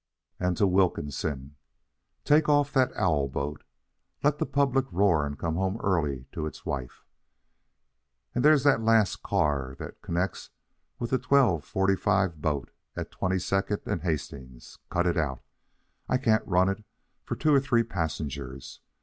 And to Wilkinson: "Take off that owl boat. Let the public roar and come home early to its wife. And there's that last car that connects with the 12:45 boat at Twenty second and Hastings. Cut it out. I can't run it for two or three passengers.